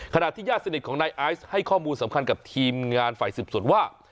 ญาติสนิทของนายไอซ์ให้ข้อมูลสำคัญกับทีมงานฝ่ายสืบสวนว่า